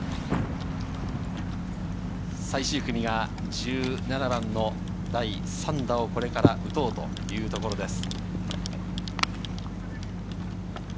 最終組が１７番の第３打をこれから打とうというところです。